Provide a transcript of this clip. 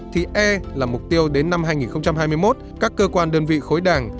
thì e là mục tiêu đến năm hai nghìn hai mươi một các cơ quan đơn vị khối đảng